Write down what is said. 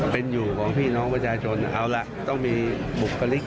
เป็นอยู่ของพี่น้องประชาชนเอาล่ะต้องมีบุคลิก